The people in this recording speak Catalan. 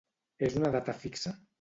És una data fixa?